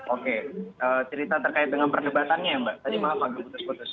oke cerita terkait dengan perdebatannya ya mbak tadi maaf agak putus putus